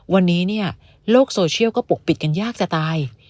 วันนี้เนี่ยโลกโซเชียลก็ปกปิดกันยากจะตาย